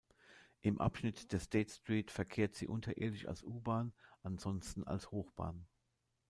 Im Abschnitt der State Street verkehrt sie unterirdisch als U-Bahn, ansonsten als Hochbahn.